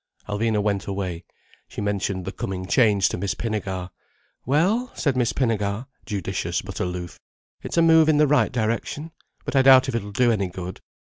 Alvina went away. She mentioned the coming change to Miss Pinnegar. "Well," said Miss Pinnegar, judicious but aloof, "it's a move in the right direction. But I doubt if it'll do any good."